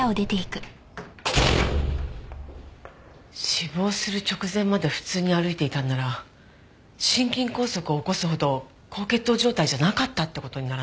死亡する直前まで普通に歩いていたんなら心筋梗塞を起こすほど高血糖状態じゃなかったって事にならない？